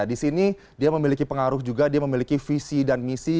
di sini dia memiliki pengaruh juga dia memiliki visi dan misi